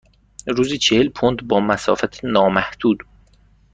روزی چهل پوند با مسافت نامحدود.